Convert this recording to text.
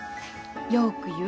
よく言う。